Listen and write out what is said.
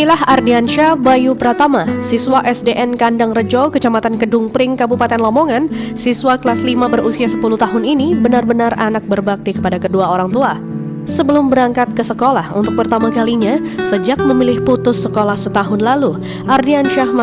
ardiansyah siswa sd di lamongan yang sempat putus sekolah demi merawat ibunya yang sakit lumpuh dan buta